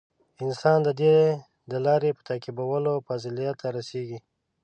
• انسان د دې د لارې په تعقیبولو فضیلت ته رسېږي.